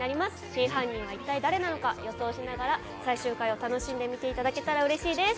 真犯人は一体誰なのか予想しながら、最終回を楽しんで見ていただけたらうれしいです。